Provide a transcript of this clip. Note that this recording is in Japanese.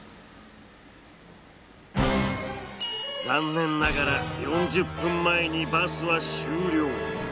残念ながら４０分前にバスは終了。